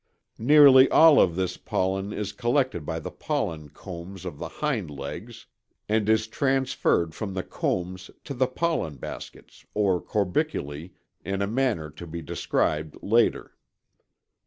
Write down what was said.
Nearly all of this pollen is collected by the pollen combs of the hind legs, and is transferred from the combs to the pollen baskets or corbiculæ in a manner to be described later.